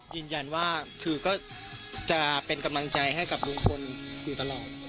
ยืนยันว่าคือก็จะเป็นกำลังใจให้กับลุงพลอยู่ตลอด